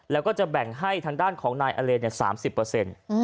แล้วก็จะแบ่งให้ทางด้านของนายอเลน๓๐เปอร์เซ็นต์